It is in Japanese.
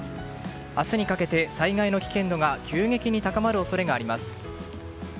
明日にかけて災害の危険度が急激に高まる恐れがあります。